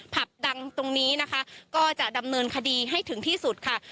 ผับดังตรงนี้นะคะก็จะดำเนินคดีให้ถึงที่สุดค่ะ